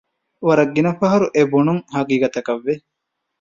ވަރަށް ގިނަ ފަހަރު އެބުނުން ހަގީގަތަކަށް ވެ